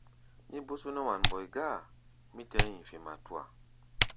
Mí bó só nɛ́ wan-mbɔi gáa, mí tɛɛ́ hi̧fi̧ matúa.